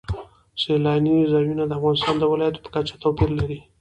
سیلانی ځایونه د افغانستان د ولایاتو په کچه توپیر لري.